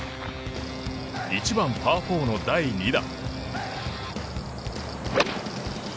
１番、パー４の第２打。